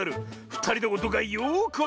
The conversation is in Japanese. ふたりのことがよくわかった。